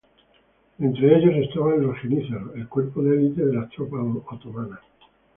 Entre ellos estaban los jenízaros, el cuerpo de elite de las tropas otomanas.